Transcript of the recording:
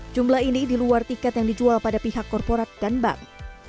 jumlah ini di luar tiket yang dijual pada pihak korporat dan bank